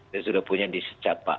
kita sudah punya di secapa